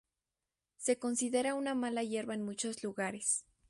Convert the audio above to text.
Se considera una mala hierba en muchos lugares.